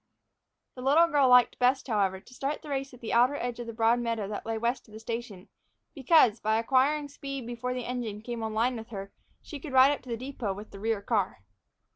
The little girl liked best, however, to start the race at the outer edge of the broad meadow that lay west of the station, because, by acquiring speed before the engine came on a line with her, she could ride up to the depot with the rear car.